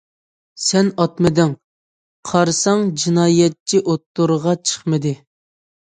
سەن ئاتمىدىڭ... قارىساڭ جىنايەتچى ئوتتۇرىغا چىقمىدى.